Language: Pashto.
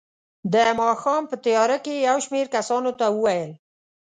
د ماښام په تیاره کې یې یو شمېر کسانو ته وویل.